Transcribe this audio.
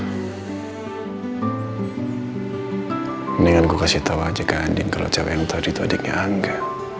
mendingan gua kasih tau aja ke andien kalo cewek yang tau dia itu adiknya angga